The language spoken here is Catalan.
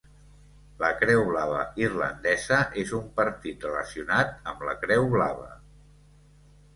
La Creu blava irlandesa és un partit relacionat amb la Creu blava.